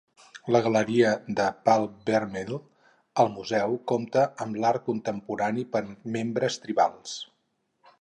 La Galeria de Pal Vermell al museu compta amb l'art contemporani per membres tribals.